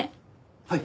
はい。